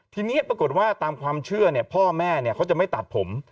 ทีนี้ปรากฏว่าตามความเชื่อพ่อแม่เขาจะไม่ตัดผม